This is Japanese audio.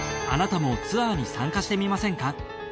あなたもツアーに参加してみませんか？